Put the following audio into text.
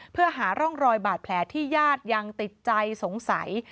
เพื่อหาร่องรอยบาดแผลที่ญาติยังติดใจสงสัย